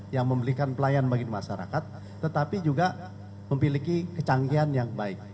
yang memberikan pelayan bagi masyarakat tetapi juga memiliki kecanggihan yang baik